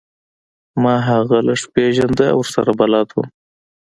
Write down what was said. ما هغه لږ پیژنده او ورسره بلد وم